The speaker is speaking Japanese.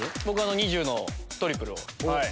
２０のトリプルを。